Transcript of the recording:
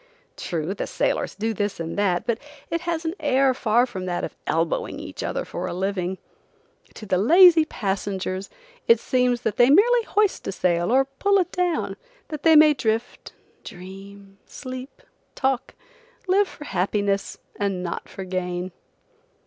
True, the sailors do this and that, but it has an air far from that of elbowing each other for a living. To the lazy passengers it seems that they merely hoist a sail or pull it down, that they may drift–dream–sleep–talk–live for happiness and not for gain.